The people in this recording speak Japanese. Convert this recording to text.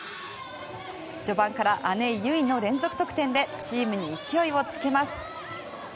序盤から姉・唯の連続得点でチームに勢いをつけます。